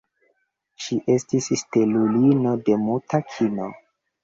Ŝi estis stelulino de muta kino.